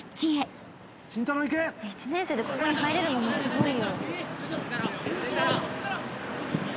１年生でここに入れるのもすごい。